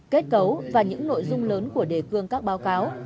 kết cấu và những nội dung lớn của đề cương các báo cáo